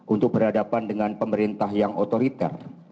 untuk berhadapan dengan pemerintah yang otoriter